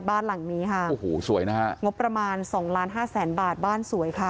บ้านหลังนี้ค่ะโอ้โหสวยนะฮะงบประมาณสองล้านห้าแสนบาทบ้านสวยค่ะ